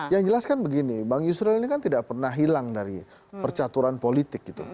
yang jelas kan begini bang yusril ini kan tidak pernah hilang dari percaturan politik gitu